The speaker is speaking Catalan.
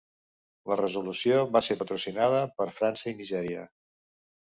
La resolució va ser patrocinada per França i Nigèria.